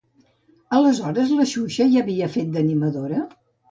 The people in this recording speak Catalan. Aleshores la Xuxa ja havia fet d'animadora?